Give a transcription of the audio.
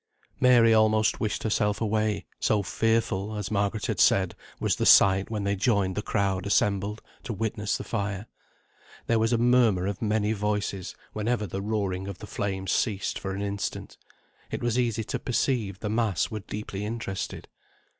Mary almost wished herself away, so fearful (as Margaret had said) was the sight when they joined the crowd assembled to witness the fire. There was a murmur of many voices whenever the roaring of the flames ceased for an instant. It was easy to perceive the mass were deeply interested.